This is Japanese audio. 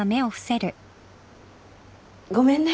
ごめんね。